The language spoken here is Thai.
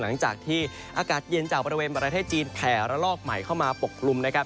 หลังจากที่อากาศเย็นจากบริเวณประเทศจีนแผ่ระลอกใหม่เข้ามาปกกลุ่มนะครับ